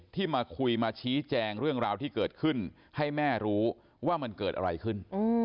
มาคุยมาชี้แจงเรื่องราวที่เกิดขึ้นให้แม่รู้ว่ามันเกิดอะไรขึ้น